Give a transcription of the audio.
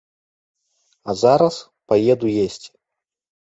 А зараз паеду есці.